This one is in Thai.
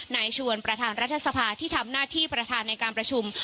นายชวนประธานรัฐสภาที่ทำหน้าที่ประธานในการประชุม